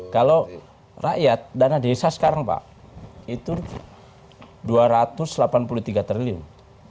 kalau rakyat dana desa sekarang pak itu rp dua ratus delapan puluh tiga triliun